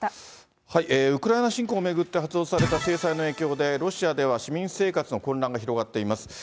ウクライナ侵攻を巡って発動された制裁の影響で、ロシアでは市民生活の混乱が広がっています。